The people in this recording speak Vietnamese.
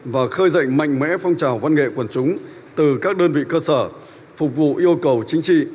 và khơi dậy mạnh mẽ phong trào văn nghệ quần chúng từ các đơn vị cơ sở phục vụ yêu cầu chính trị